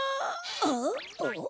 あっ？